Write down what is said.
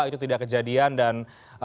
itu tidak kejadian dan